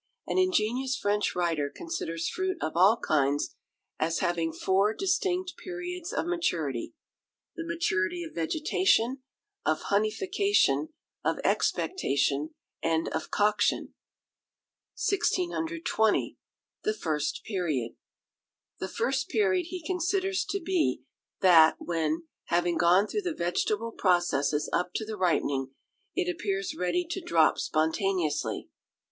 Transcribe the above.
An ingenious French writer considers fruit of all kinds as having four distinct periods of maturity the maturity of vegetation, of honeyfication, of expectation, and of coction. 1620. The First Period. The first period he considers to be that when, having gone through the vegetable processes up to the ripening, it appears ready to drop spontaneously.